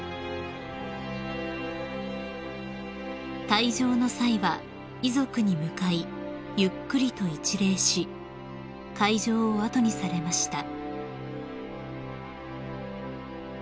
［退場の際は遺族に向かいゆっくりと一礼し会場を後にされました］